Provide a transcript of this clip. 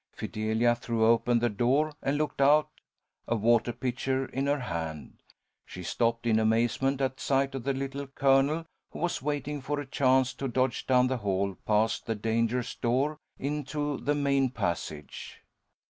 Fidelia threw open the door and looked out, a water pitcher in her hand. She stopped in amazement at sight of the Little Colonel, who was waiting for a chance to dodge down the hall past the dangerous door, into the main passage.